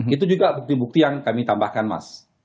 itu juga bukti bukti yang kami tambahkan mas